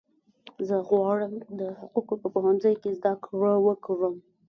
زه غواړم چې د حقوقو په پوهنځي کې زده کړه وکړم